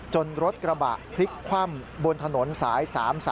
รถกระบะพลิกคว่ำบนถนนสาย๓๓